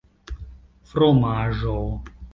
fromaĵo